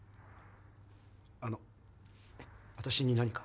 あの私に何か？